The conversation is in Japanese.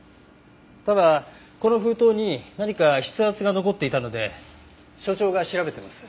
ただこの封筒に何か筆圧が残っていたので所長が調べてます。